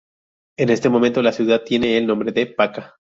En este momento la ciudad tiene el nombre de Paca.